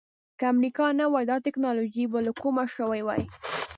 که امریکا نه وای دا ټکنالوجي به له کومه شوې وای.